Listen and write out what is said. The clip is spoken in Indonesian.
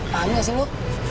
paham gak sih lu